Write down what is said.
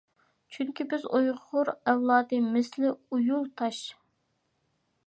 چۈنكى بىز ئۇيغۇر ئەۋلادى مىسلى ئۇيۇل تاش!